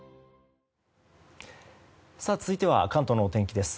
続いては関東のお天気です。